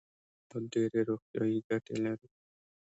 د مچۍ شات ډیرې روغتیایي ګټې لري